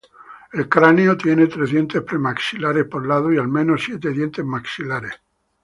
El cráneo tiene tres dientes premaxilares por lado y al menos siete dientes maxilares.